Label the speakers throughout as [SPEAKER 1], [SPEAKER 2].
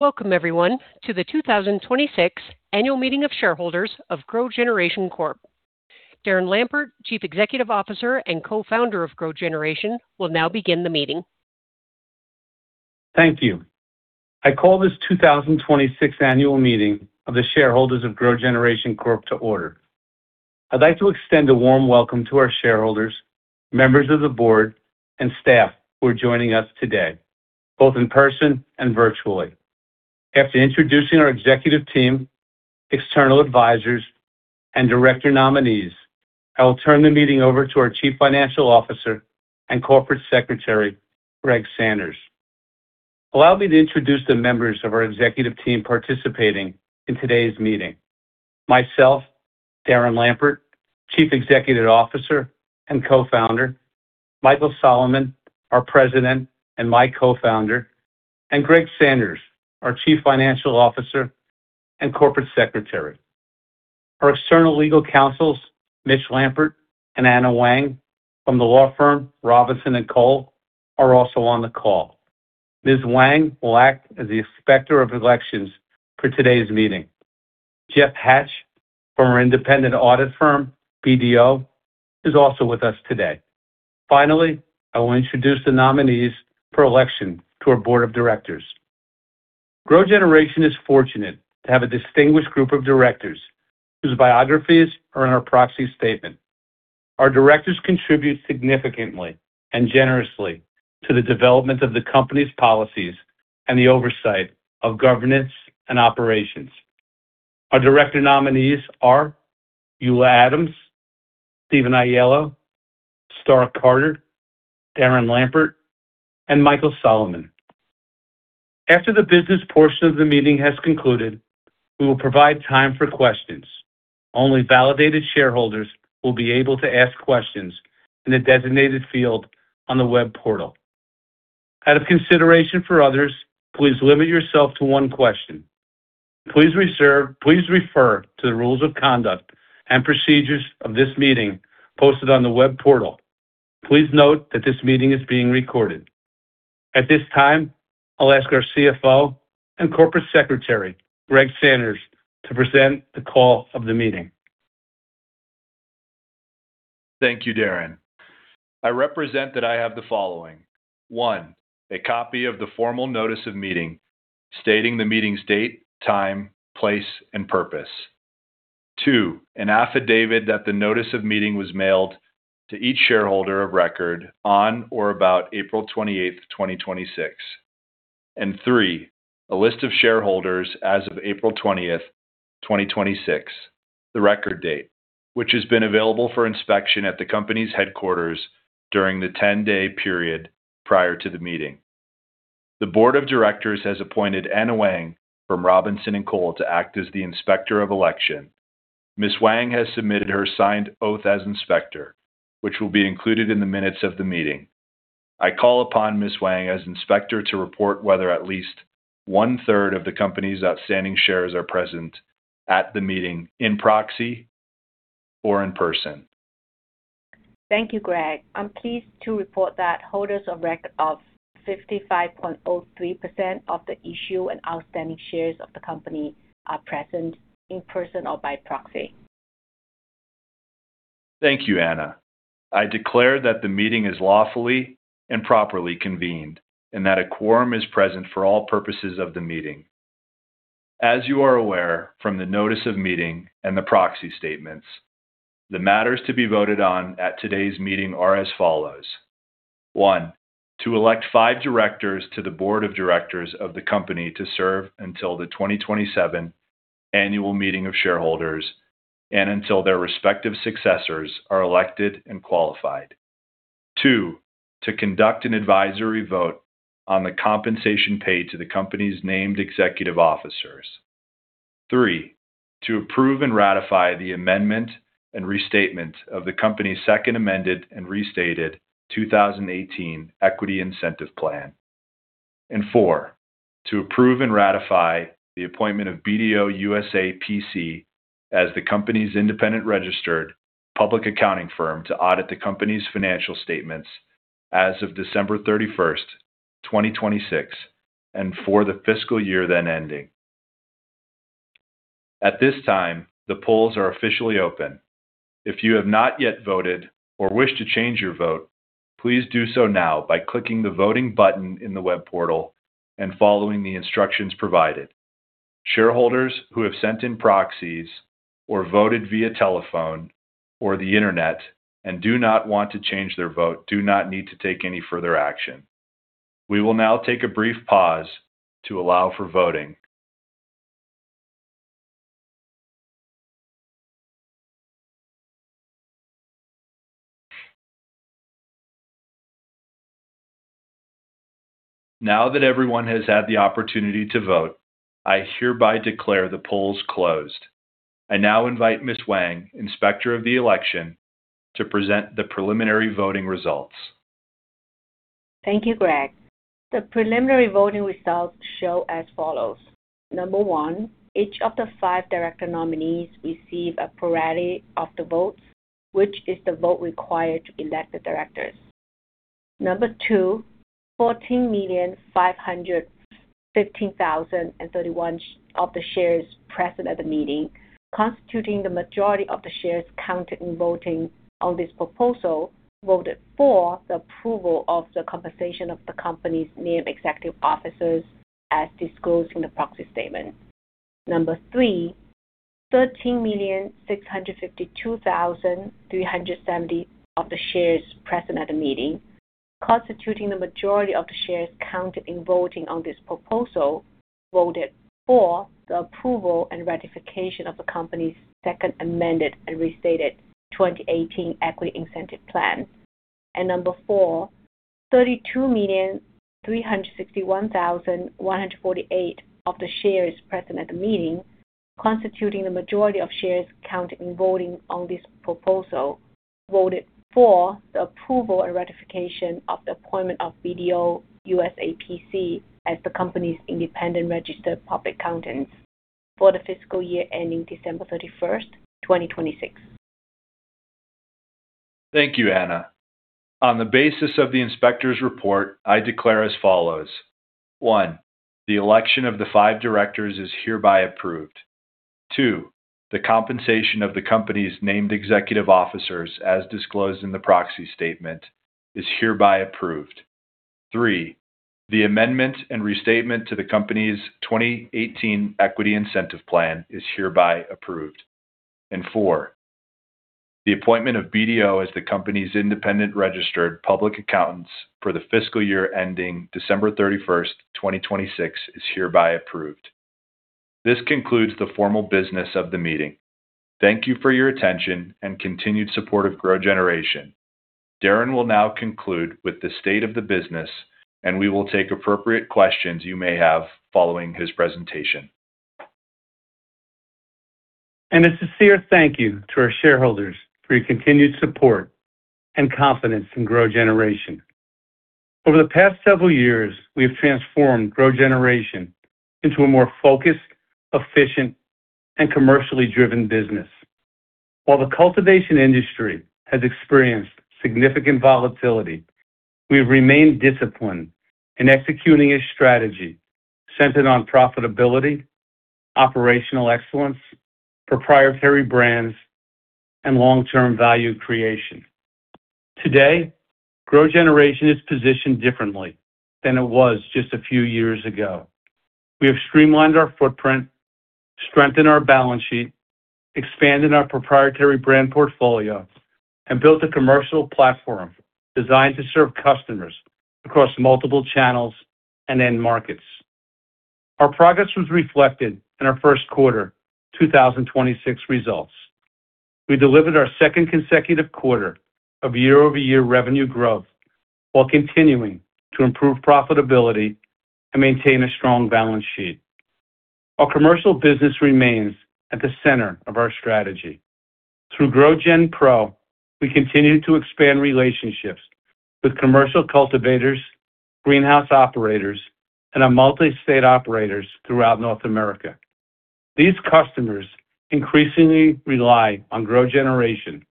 [SPEAKER 1] Welcome everyone to the 2026 Annual Meeting of Shareholders of GrowGeneration Corp. Darren Lampert, Chief Executive Officer and co-founder of GrowGeneration, will now begin the meeting.
[SPEAKER 2] Thank you. I call this 2026 annual meeting of the shareholders of GrowGeneration Corp. to order. I'd like to extend a warm welcome to our shareholders, members of the board, and staff who are joining us today, both in person and virtually. After introducing our executive team, external advisors, and director nominees, I will turn the meeting over to our Chief Financial Officer and Corporate Secretary, Greg Sanders. Allow me to introduce the members of our executive team participating in today's meeting. Myself, Darren Lampert, Chief Executive Officer and co-founder. Michael Salaman, our president and my co-founder, and Greg Sanders, our Chief Financial Officer and Corporate Secretary. Our external legal counsels, Mitch Lampert and Anna Wang from the law firm Robinson & Cole, are also on the call. Ms. Wang will act as the inspector of elections for today's meeting. Jeff Hatch from our independent audit firm, BDO, is also with us today. Finally, I will introduce the nominees for election to our board of directors. GrowGeneration is fortunate to have a distinguished group of directors whose biographies are in our proxy statement. Our directors contribute significantly and generously to the development of the company's policies and the oversight of governance and operations. Our director nominees are Eula Adams, Stephen Aiello, Star Carter, Darren Lampert, and Michael Salaman. After the business portion of the meeting has concluded, we will provide time for questions. Only validated shareholders will be able to ask questions in a designated field on the web portal. Out of consideration for others, please limit yourself to one question. Please refer to the rules of conduct and procedures of this meeting posted on the web portal. Please note that this meeting is being recorded. At this time, I'll ask our CFO and Corporate Secretary, Greg Sanders, to present the call of the meeting.
[SPEAKER 3] Thank you, Darren. I represent that I have the following. One, a copy of the formal notice of meeting stating the meeting's date, time, place, and purpose. Two, an affidavit that the notice of meeting was mailed to each shareholder of record on or about April 28th, 2026. Three, a list of shareholders as of April 20th, 2026, the record date, which has been available for inspection at the company's headquarters during the 10-day period prior to the meeting. The board of directors has appointed Anna Wang from Robinson & Cole to act as the inspector of election. Ms. Wang has submitted her signed oath as inspector, which will be included in the minutes of the meeting. I call upon Ms. Wang as inspector to report whether at least one third of the company's outstanding shares are present at the meeting in proxy or in person.
[SPEAKER 4] Thank you, Greg. I'm pleased to report that holders of record of 55.03% of the issue and outstanding shares of the company are present in person or by proxy.
[SPEAKER 3] Thank you, Anna. I declare that the meeting is lawfully and properly convened, that a quorum is present for all purposes of the meeting. As you are aware from the notice of meeting and the proxy statements, the matters to be voted on at today's meeting are as follows. One, to elect five directors to the board of directors of the company to serve until the 2027 annual meeting of shareholders and until their respective successors are elected and qualified. Two, to conduct an advisory vote on the compensation paid to the company's named executive officers. Three, to approve and ratify the amendment and restatement of the company's second Amended and Restated 2018 Equity Incentive Plan. Four, to approve and ratify the appointment of BDO USA, P.C. as the company's independent registered public accounting firm to audit the company's financial statements as of December 31st, 2026, and for the fiscal year then ending. At this time, the polls are officially open. If you have not yet voted or wish to change your vote, please do so now by clicking the voting button in the web portal and following the instructions provided. Shareholders who have sent in proxies or voted via telephone or the internet and do not want to change their vote do not need to take any further action. We will now take a brief pause to allow for voting. Now that everyone has had the opportunity to vote, I hereby declare the polls closed. I now invite Ms. Wang, Inspector of Election, to present the preliminary voting results.
[SPEAKER 4] Thank you, Greg. The preliminary voting results show as follows. Number one, each of the five director nominees receive a plurality of the votes, which is the vote required to elect the directors. Number two, 14,515,031 of the shares present at the meeting, constituting the majority of the shares counted in voting on this proposal, voted for the approval of the compensation of the company's named executive officers as disclosed in the proxy statement. Number three, 13,652,370 of the shares present at the meeting, constituting the majority of the shares counted in voting on this proposal, voted for the approval and ratification of the company's Second Amended and Restated 2018 Equity Incentive Plan. Number four, 32,361,148 of the shares present at the meeting, constituting the majority of shares counted in voting on this proposal, voted for the approval and ratification of the appointment of BDO USA, P.C. as the company's independent registered public accountants for the fiscal year ending December 31st, 2026.
[SPEAKER 3] Thank you, Anna. On the basis of the inspector's report, I declare as follows. One, the election of the five directors is hereby approved. Two, the compensation of the company's named executive officers, as disclosed in the proxy statement, is hereby approved. Three, the amendment and restatement to the company's 2018 Equity Incentive Plan is hereby approved. Four, the appointment of BDO as the company's independent registered public accountants for the fiscal year ending December 31st, 2026, is hereby approved. This concludes the formal business of the meeting. Thank you for your attention and continued support of GrowGeneration. Darren will now conclude with the state of the business, and we will take appropriate questions you may have following his presentation.
[SPEAKER 2] A sincere thank you to our shareholders for your continued support and confidence in GrowGeneration. Over the past several years, we have transformed GrowGeneration into a more focused, efficient, and commercially driven business. While the cultivation industry has experienced significant volatility, we have remained disciplined in executing a strategy centered on profitability, operational excellence, proprietary brands, and long-term value creation. Today, GrowGeneration is positioned differently than it was just a few years ago. We have streamlined our footprint, strengthened our balance sheet, expanded our proprietary brand portfolio, and built a commercial platform designed to serve customers across multiple channels and end markets. Our progress was reflected in our first quarter 2026 results. We delivered our second consecutive quarter of year-over-year revenue growth while continuing to improve profitability and maintain a strong balance sheet. Our commercial business remains at the center of our strategy. Through GrowGen Pro, we continue to expand relationships with commercial cultivators, greenhouse operators, and our multi-state operators throughout North America. These customers increasingly rely on GrowGeneration,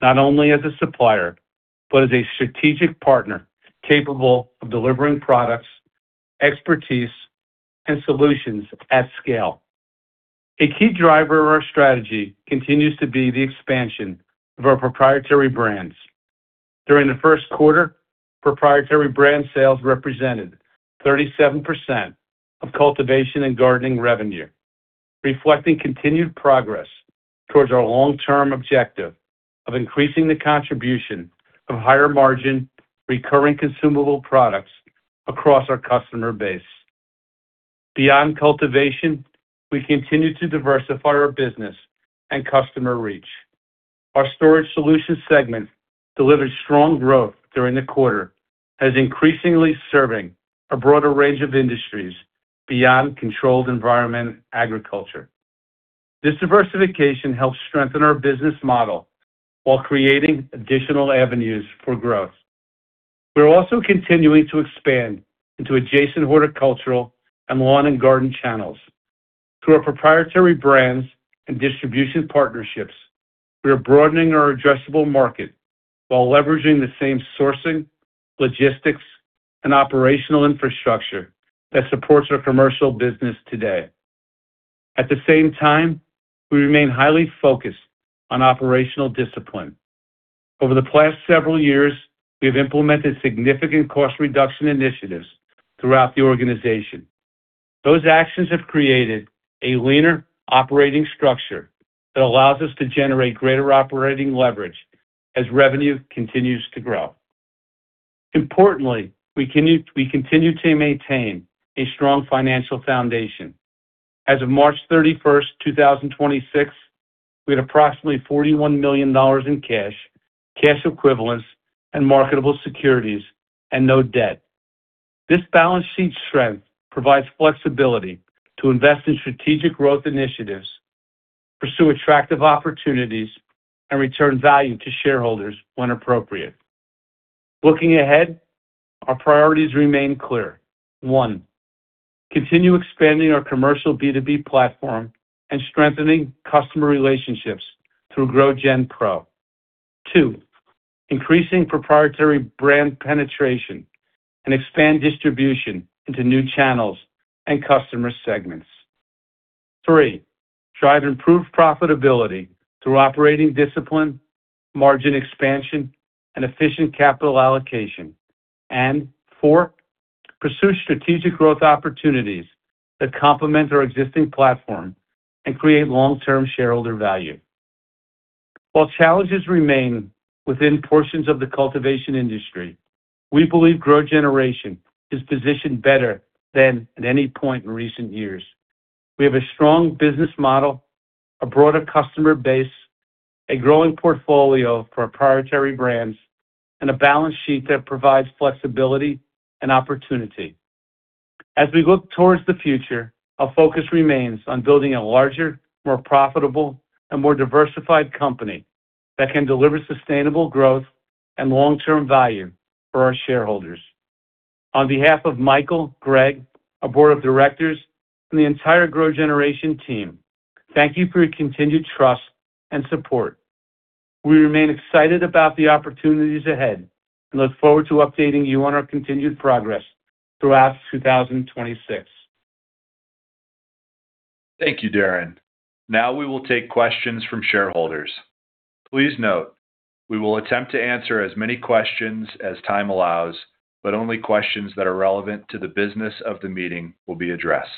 [SPEAKER 2] not only as a supplier but as a strategic partner capable of delivering products, expertise, and solutions at scale. A key driver of our strategy continues to be the expansion of our proprietary brands. During the first quarter, proprietary brand sales represented 37% of cultivation and gardening revenue, reflecting continued progress towards our long-term objective of increasing the contribution of higher-margin, recurring consumable products across our customer base. Beyond cultivation, we continue to diversify our business and customer reach. Our storage solutions segment delivered strong growth during the quarter as increasingly serving a broader range of industries beyond controlled environment agriculture. This diversification helps strengthen our business model while creating additional avenues for growth. We're also continuing to expand into adjacent horticultural and lawn and garden channels. Through our proprietary brands and distribution partnerships, we are broadening our addressable market while leveraging the same sourcing, logistics, and operational infrastructure that supports our commercial business today. At the same time, we remain highly focused on operational discipline. Over the past several years, we have implemented significant cost reduction initiatives throughout the organization. Those actions have created a leaner operating structure that allows us to generate greater operating leverage as revenue continues to grow. Importantly, we continue to maintain a strong financial foundation. As of March 31st, 2026, we had approximately $41 million in cash equivalents, and marketable securities, and no debt. This balance sheet strength provides flexibility to invest in strategic growth initiatives, pursue attractive opportunities, and return value to shareholders when appropriate. Looking ahead, our priorities remain clear. One, continue expanding our commercial B2B platform and strengthening customer relationships through GrowGen Pro. Two, increasing proprietary brand penetration and expand distribution into new channels and customer segments. Three, drive improved profitability through operating discipline, margin expansion and efficient capital allocation. Four, pursue strategic growth opportunities that complement our existing platform and create long-term shareholder value. While challenges remain within portions of the cultivation industry, we believe GrowGeneration is positioned better than at any point in recent years. We have a strong business model, a broader customer base, a growing portfolio for our proprietary brands, and a balance sheet that provides flexibility and opportunity. As we look towards the future, our focus remains on building a larger, more profitable, and more diversified company that can deliver sustainable growth and long-term value for our shareholders. On behalf of Michael, Greg, our board of directors, and the entire GrowGeneration team, thank you for your continued trust and support. We remain excited about the opportunities ahead and look forward to updating you on our continued progress throughout 2026.
[SPEAKER 3] Thank you, Darren. Now we will take questions from shareholders. Please note we will attempt to answer as many questions as time allows, but only questions that are relevant to the business of the meeting will be addressed.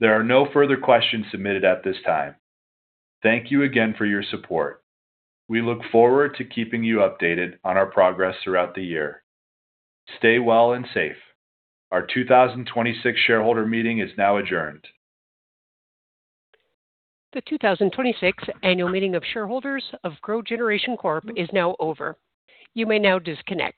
[SPEAKER 3] There are no further questions submitted at this time. Thank you again for your support. We look forward to keeping you updated on our progress throughout the year. Stay well and safe. Our 2026 shareholder meeting is now adjourned.
[SPEAKER 1] The 2026 annual meeting of shareholders of GrowGeneration Corp is now over. You may now disconnect.